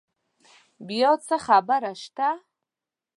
بیا څه خبره شته؟